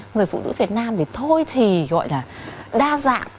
người phụ nữ việt nam thì thôi thì gọi là đa dạng